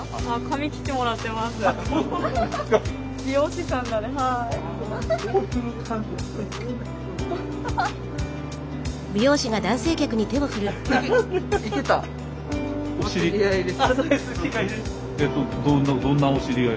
みんな知り合い！